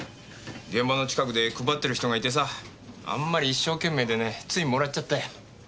現場の近くで配ってる人がいてさあんまり一生懸命でねついもらっちゃったよ。